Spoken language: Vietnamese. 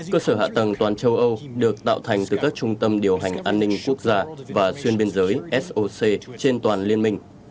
cơ sở hạ tầng toàn châu âu được tạo thành từ các trung tâm điều hành an ninh quốc gia và xuyên biên giới soc trên toàn liên minh